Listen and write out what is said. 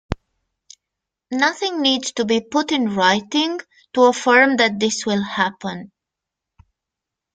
Nothing needs to be put in writing to affirm that this will happen.